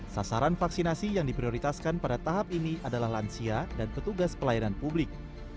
sasaran vaksinasi yang diprioritaskan pada tahap ini adalah lansia dan petugas pelayanan publik